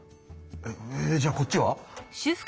えじゃあこっちは？